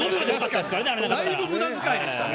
だいぶ無駄遣いでしたね。